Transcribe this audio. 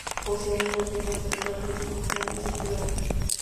Posee una yema central de forma plana y circular.